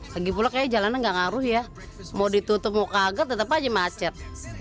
lagi pula kayaknya jalannya gak ngaruh ya mau ditutup mau kaget tetap aja macet